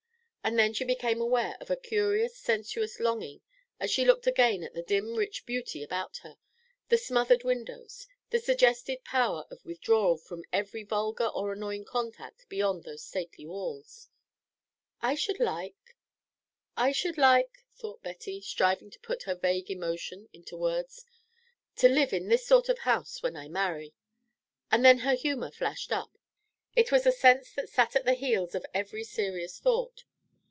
And then she became aware of a curious sensuous longing as she looked again at the dim rich beauty about her, the smothered windows, the suggested power of withdrawal from every vulgar or annoying contact beyond those stately walls. "I should like I should like " thought Betty, striving to put her vague emotion into words, "to live in this sort of house when I marry." And then her humour flashed up: it was a sense that sat at the heels of every serious thought.